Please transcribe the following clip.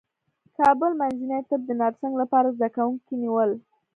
کابل منځني طب د نرسنګ لپاره زدکوونکي نیول